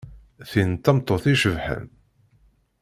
Tin d tameṭṭut icebḥen.